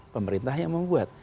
pemerintah yang membuat